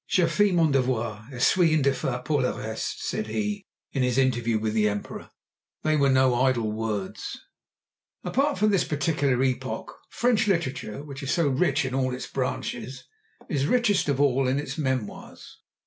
"Je fais mon devoir et suis indifférent pour le reste," said he, in his interview with the Emperor. They were no idle words. Apart from this particular epoch, French literature, which is so rich in all its branches, is richest of all in its memoirs.